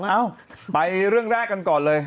เปลี่ยนให้เรื่องแรกกันก่อนเลย